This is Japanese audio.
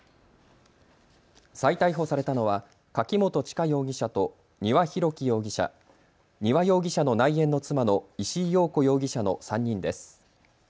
再逮捕されたのは柿本知香容疑者と丹羽洋樹容疑者、丹羽容疑者の内縁の妻の石井陽子容疑者の３人です。